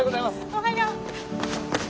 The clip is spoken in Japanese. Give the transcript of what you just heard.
おはよう。